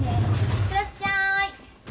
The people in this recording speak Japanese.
行ってらっしゃい。